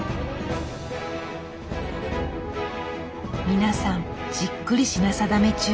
皆さんじっくり品定め中。